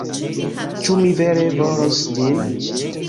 Ĉu mi vere volos ĝin?